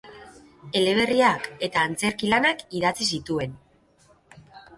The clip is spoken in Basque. Eleberriak eta antzerki lanak idatzi zituen.